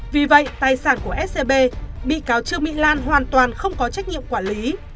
vì vậy tài sản của scb bị cáo trương mỹ lan hoàn toàn không có trách nhiệm quản lý